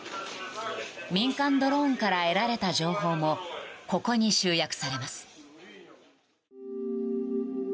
民間ドローンから得られた情報もここに集約されます。